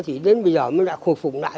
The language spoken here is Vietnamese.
thì đến bây giờ mới lại khôi phục lại